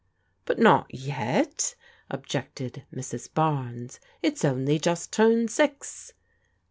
" But not yet," objected Mrs. Barnes. '* It's only just turned six."